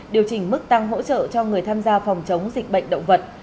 điều chỉnh mức tăng hỗ trợ cho người tham gia phòng chống dịch bệnh động vật